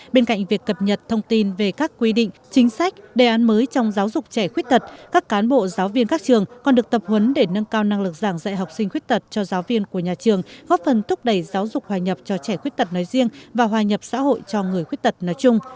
bên cạnh việc cập nhật thông tin về các quy định chính sách đề án mới trong giáo dục trẻ khuyết tật các cán bộ giáo viên các trường còn được tập huấn để nâng cao năng lực giảng dạy học sinh khuyết tật cho giáo viên của nhà trường góp phần thúc đẩy giáo dục hòa nhập cho trẻ khuyết tật nói riêng và hòa nhập xã hội cho người khuyết tật nói chung